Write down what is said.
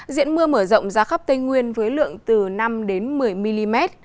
diện mưa mở rộng ra khắp tây nguyên với lượng từ năm đến một mươi mm